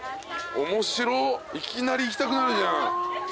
面白っいきなり行きたくなるじゃん。